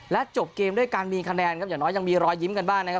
จบเกมด้วยการมีคะแนนครับอย่างน้อยยังมีรอยยิ้มกันบ้างนะครับ